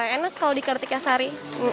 enak kalau dikertikan sari